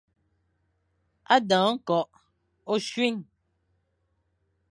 A dang nkok, ochuin.